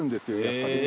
やっぱり。